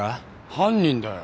犯人だよ。